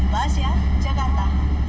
semoga sehat jakarta